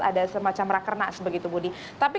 ada semacam rakernak sebegitu budi